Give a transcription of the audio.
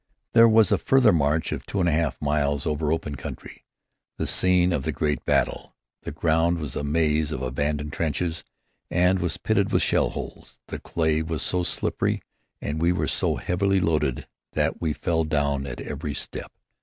There was a further march of two and a half miles over open country, the scene of the great battle. The ground was a maze of abandoned trenches and was pitted with shell holes. The clay was so slippery and we were so heavily loaded that we fell down at every step.